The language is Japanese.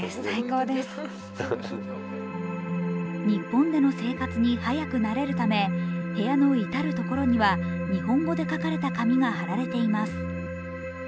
日本での生活に早く慣れるため部屋の至る所には、日本語で書かれた紙が貼られています。